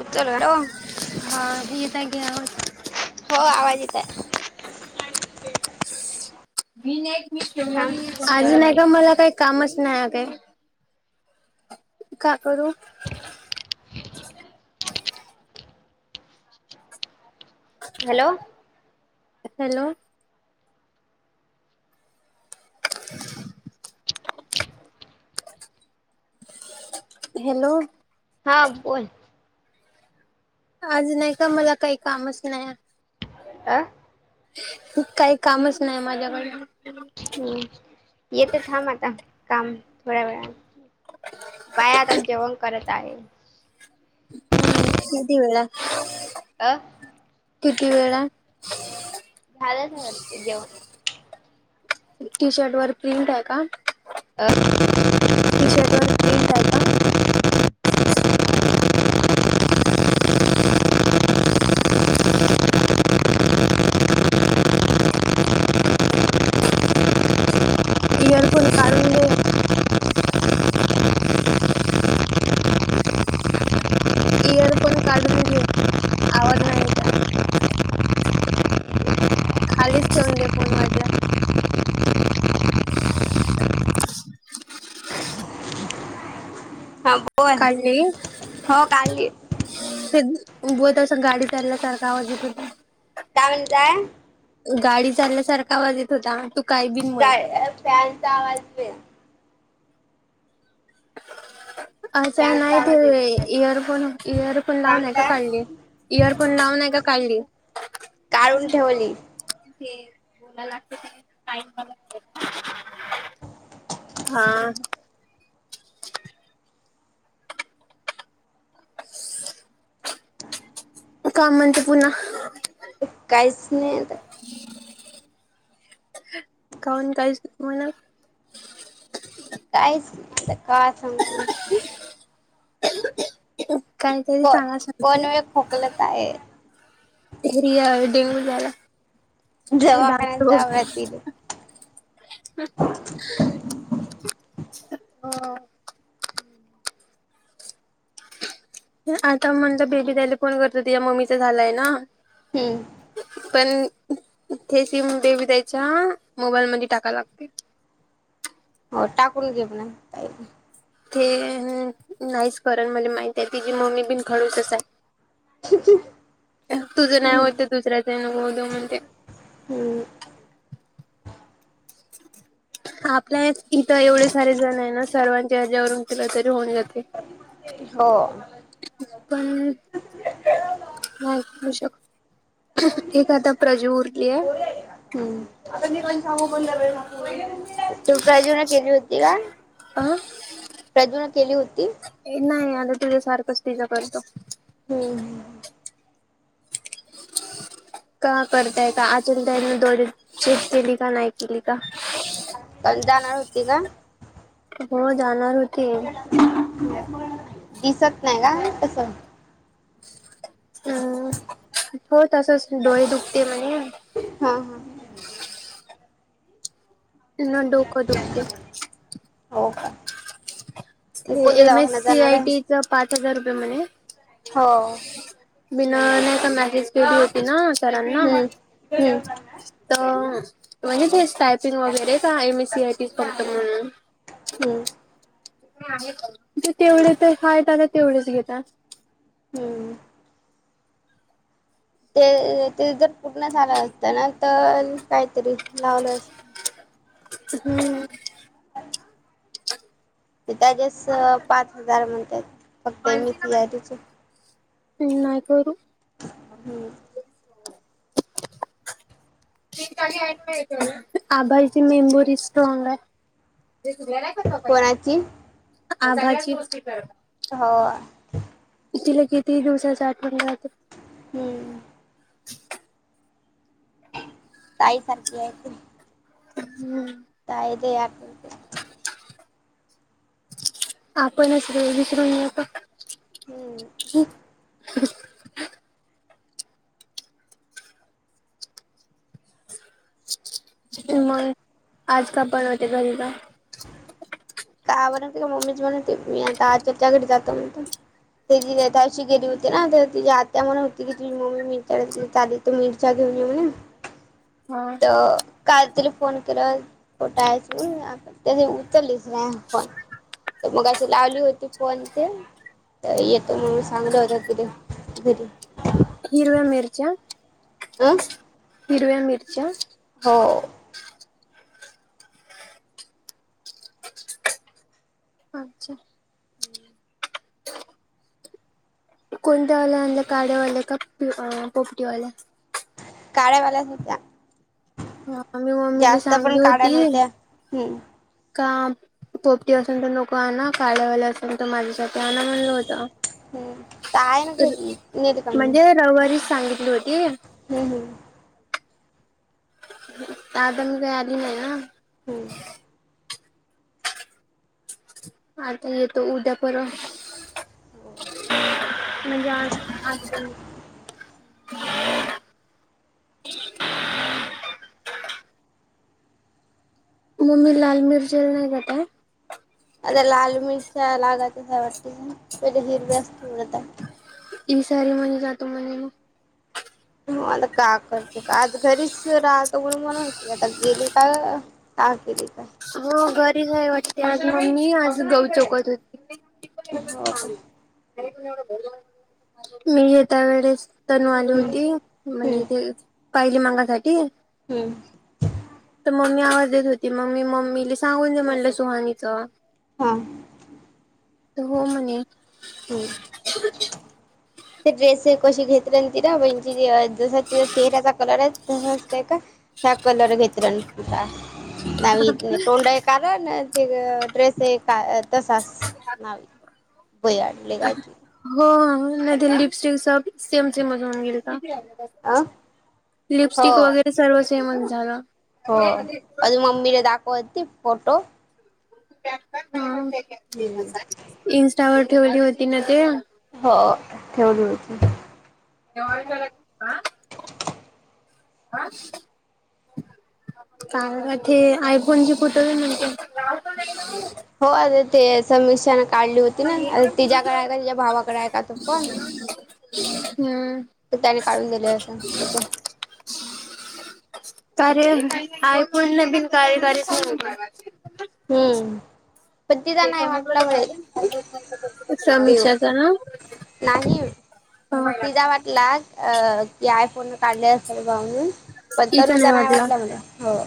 उतरलो हा येत आहे की आवाज. हो आवाज येत आहे. मी थांब नाही दोन अजून आहे का मिनिट मला काय? कामच नाही काय का करू? हॅलो हॅलो हॅलो हा बोल आज नाही काही मला कामच नाय. आ काही कामच नाही माझ्याकड. हम्म येत थांब आता काम थोड्या वेळान. बाय आता जेवण करत आहे. हम्म तुमी जेवला अ किती वेळा? झालाच नाय वाटत जेवण. टी शर्ट वर प्रिंट आहे का? अ टी शर्ट वर प्रिंट आहे का? इयरफोन काढून घे. इयरफोन काढून घे आवाज नाही येतेय. खालीच ठेवून दे फोन वाटला. हा बोल काढली हो काढली [unintelligible] गाडी चालया सारखं आवाज येत होता. काय गाडी चाल्यासारखा आवाज येत होता टू [unintelligible] फॅनचा आवाज [unintelligible] अच्छा फॅनचा नाही ते आवाज येतोय इयरफोन इयरफोन काय लावून नाही का म्हणताय काढले? इयरफोन लाऊन नाही का काढले? काढून ठेवली. ते बोलायला लागत ते टाईम मला हा. काय म्हणते पुन्हा काहीच नाही आता. काऊन कायच म्हणा. काहीच नाही आता काय सांगु? कायतरी कोण सांगा कोण वेळ खोकलत आहे [unintelligible] डेंग्यू झाला दवाखान्यात जावं लागतील [unintelligible] हो. आता म्हणलं बेबी ताई फोन करते तिज्या मम्मीचा झालाय ना. हम्म. पण तेे सिम बेबी ताई च्या मोबाईल मध्ये टाकाय लागतंय. हो टाकून घे म्हण ताईले. ते नाहीच करण मले माहित आहे तिची मम्मी बीण खडुस च हाय. [unintelligible] तुझं नाही होतये दुसऱ्याच मग होऊदे म्हणते. हम. [unintelligible] आपल्या इथं एवढे सारे जण आहे ना सर्वांच्या हेज्यावरून तिला तरी होऊन जाते. हो. पण नाही म्हणू शकत एक आता प्रजी उरलीय. ते प्राजून केली होती का? अं प्राजू न केली होती. नाही आता तिझ सारखंच तिझं करतो. हम. [inaudible] का करताय का अजुन ताईने दोरी चेज केली का नाही केली का? पण जाणार होती ना. हो जाणार होती. दिसत नाही का तसं. हम हो तसच डोळे दुखते म्हणे. हा. मग डोकं दुखते. हो का. हे कोणत्या एम एस दवाखान्यात सी जाणार आहे आयटी चं पाच हजार रुपये म्हणे. हो. बिना नाहीचा मेसेज पाहिजी होते ना सरांना. हम्म हम्म तर म्हणजे तेच टायपिंग वगैरे का M S C I T करत म्हणून. हम्म. ते तेवढे तर हाय त्याला तेवढेच घेतात. हम्. ते ते जर पूर्ण झालं असत ना तर काहीतरी लावलं असत. हम्म. ते त्याच्यास पाच हजार म्हणतात फक्त M S C I T चे. हं नाय करू. हम्म. आबांची मेमबोरी स्ट्रॉग आहे. ते तुला. कोणाची. आभाचीच. होय. तिला कितीहि दिवसाच आठवण राहते. हम्म. ताईसारखी आहे तिनं. हम्म. काय देवाक. आपणच विसरून हे जातो. हम्म. इमोय, आज का पण होते? घरी जा. का, बनवते का? मम्मीच बनवते. मी आता आजीच्या घरी जातो म्हणतो. ते जी दिवशी गेली होती ना, तर तिझी आत्या म्हणा होती की, तुझी मम्मी मी चाली. तर, मिरच्या घेऊ ये म्हणे. [inaudible] तर काल तिला फोन केला, कुठंयस? म्हणून, तर तिने उचलीच नाही. फोन पण तर मग अशी लावली होती, फोन ते. तर येतो मग. मी सांगितलं होतं, तिथ घरी. हिरव्या मिरच्या अं. हिरव्या मिरच्या हो. अच्छा. कोणत्या वाल्या आणल्या? काळ्या वाल्या का पोपटी वाल्या? काळ्या वाल्या होत्या हा मी मम्मीला जास्त, पण सांगली काळ्या होती नव्हत्या. हम्. का, पोपटी असेल तर नको आणा. काळ्या वाल्या असतील तर माझ्यासाठी यांना म्हणल होतं, हम्म तर आहे ना घरी नेली का म्हणजे रविवारी सांगितलं होतं. येऊया. हम्-हम. तादन गई, आली नाही ना? हम्म आता येतो उद्या-परवा. म्हणजे आज-आज. मम्मी लाल मिरची नाही जातयं. आता लाल मिरच्या लागत वाटते बरं, हिरव्याचं तोडत आहे. [unintelligible] मला का कळते का, आज घरीच राहतो म्हणून म्हणत होते. मी आता गेली का? तास गेली का? हो, घरीच आहे वाटते. आज ममी आज गऊ चोखे धुते. हो. मी त्या वेळेस. तनू आली हम्म होती, म्हणजे हम्म तेचं कायली मागासाठी. हम्म. तर मम्मी आवाज देत होती मग मी मम्मीले सांगून दे म्हणलं सुहानीच हा त हो म्हणली. हम्म ते ड्रेस ये कशी घेतले तिरा [unintelligible] जसा तिच्या चेहऱ्याचा कलर हाय. तसाच हाय का त्या कलर घेतरन [unintelligible] तोंडा हाय कारन ते ड्रेस हे का अ तसाच ना [unintelligible] काय हो नाय तर लिपस्टिक स सेम सेमज होऊन गेलतं. अ हो लिपस्टिक वगैरे सर्व सेमच झालं. हो आधी मम्मीला दाखवती फोटो इंस्टावर ठेवली होती ना ते हो ठेवली होती. [unintelligible] [inaudible] कारन ते आयफोनची फोटो ते हो अरे ते समीशान काढली होती ना अरे तिज्याकडे हाय का तिच्या भावाकडे हाय का तो फोन. हम्म. तर त्याने काढून दिले असं फोटो. चालेल आयफोन ने बिन कार्यकारी. [unintelligible] हम्म. पण तिला ते नाय समजलं वाटलं तर व्हंय पाहिजे तेव समीक्षाचा ना नाही. तिझा वाटला अ की आय फोनवर काढले असेल म्हूनन पण इथं तनुजा नाही वाटला वाटल मला हॉग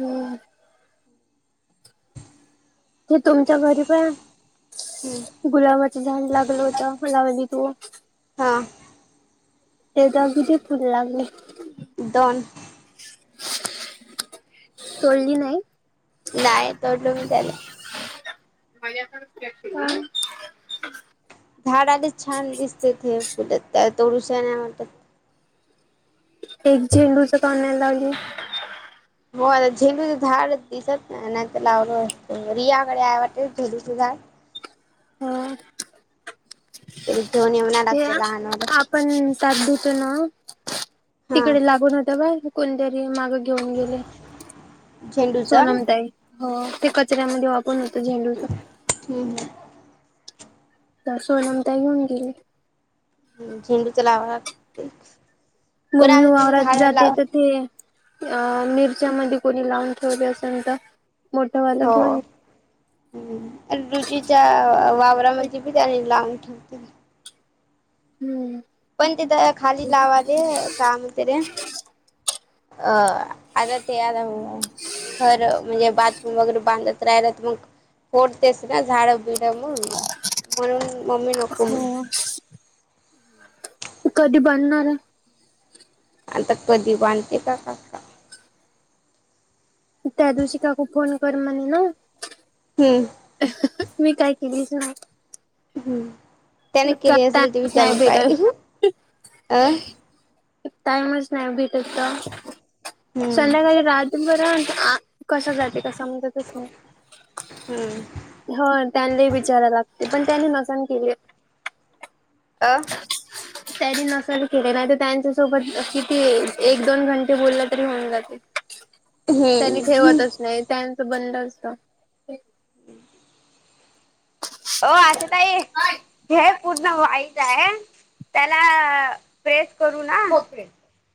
हम्म. ते तुमच्या घरी पण गुलाबाचं झाड लागलं होत हलावली तू हा. ते दगुचीच फुल लागले. दोन. तोडली नाई. नाही तोडलो मी त्याला माझ्याकडे दिल्यात तेनी, काय? झाडालेच छान दिसतेत हे फुलं त्याला तोडूस नाही वाटत. एक झेंडूचं का‌हून नाई लावली. हो आता झेंडूचं झाड दिसत नाय तर लावलं असतो रियाकडे आहे वाटतं झेंडूच झाड ह घेवून य. ते आ आपण ताट धूतो ना हा तिकडे लागून होतं बाई कोणतरी मागं घेऊन गेले झेंडूचा सोनम ताई हो ते कचऱ्यामध्ये वापर होतं झेंडूच. हम्म हम्म. तर सोनम ताई घेऊन गेली. हम्म झेंडूच लावा लाग ते मम्मी वावरात जाते तर ते अ मिरच्यामध्ये कोणी लावून ठेवल असेन तर मोठं वाला हो घेऊन येते. तर रुचीच्या वावरामध्ये बी त्यानी लावून ठेव [unintelligible] [inaudible] हम्म. पण तिथं खाली लावाले, काम हुते रे. अ -आता ते आल्या मूळ घर म्हणजे बाथरूम वगैरे बांधत राहिला तर मग फोडतेच ना झाडं बीडगम म्हणून मम्मी नको [inaudible] तू कधी बांधणार आय? आता कधी बांधते काका त्या दिवशी काकू फोन कर म्हनी ना. हम्म. मी काय केलीच नाय. हम्म, त्यानी का केली असेल ते टाइमच नाही विचारून पाय. भेटत अ टाईमच नाय भेटत ग, हम्म संध्याकाळी रात भर आ कसं जाते काय समजंतच नाय. हम्म. हो त्यांनले ही विचाराय लागते, पण त्यांनी नसणं केली. अं? [inaudible] त्यांनी नसल केले नाय तर त्यांच्यासोबत किती एक दोन घंटे बोलले तरी होऊन जाते. त्यांनी हम्म ठेवतच नाय त्यांचं बंद असतं. [inaudible] वो आशाताई हे पूर्ण व्हायचाय त्याला प्रेस करू ना?